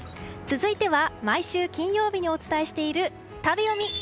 続いては、毎週金曜日にお伝えしている食べヨミ。